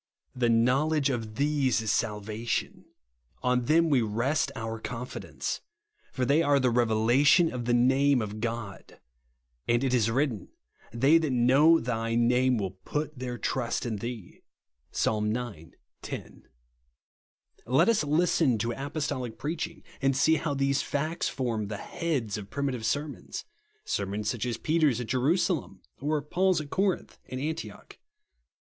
The knowledge of these is salvation. On them we rest our confidence ; for they are the revelation of the na:me of God ; and it is vsTitten, " They that knoiu thy name will put their trust in thee" (Ps. ix. 10). 70 THE PERSON AND WORK Let US listen to apostolic preaching, and see how these facts form the heads of primitive sermons ; sermons such as Peter's at Jerusalem, or Paul's at Corinth and Antioch.